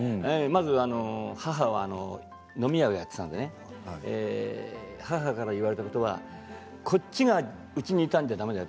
母は飲み屋をやっていたのでね、母から言われたことはこっちがうちにいたんじゃだめだよ